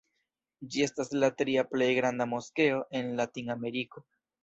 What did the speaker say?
Ĝi estas la tria plej granda moskeo en Latin-Ameriko.